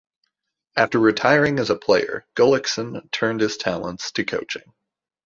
After retiring as a player, Gullikson turned his talents to coaching.